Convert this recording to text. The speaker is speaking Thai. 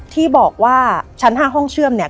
ที่บอกว่าชั้น๕ห้องเชื่อมเนี่ย